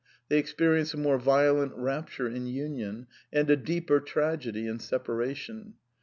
They experience a more violent rapture in union, and a deeper tragedy in separation.